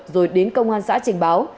rồi đến công an xã trình báo